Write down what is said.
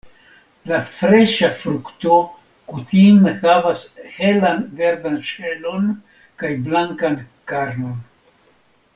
La freŝa frukto kutime havas helan verdan ŝelon kaj blankan karnon.